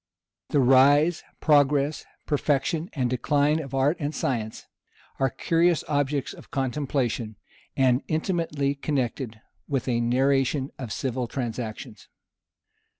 The rise, progress, perfection, and decline of art and science, are curious objects of contemplation, and intimately connected with a narration of civil transactions.